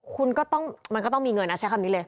คุณก็ต้องมันก็ต้องมีเงินใช้คำนี้เลย